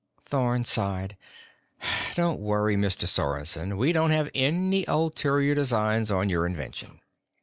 Thorn sighed. "Don't worry, Mr. Sorensen. We don't have any ulterior designs on your invention."